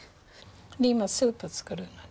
今スープ作るのね。